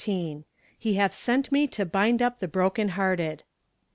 i I ii "HE HATH SENT ME TO BIND UP THE BEOKEN HEAllTED."